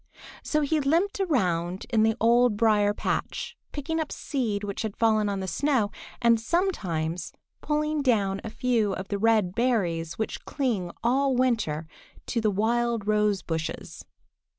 So he limped around in the Old Briar patch, picking up seed which had fallen on the snow, and sometimes pulling down a few of the red berries which cling all winter to the wild rose bushes.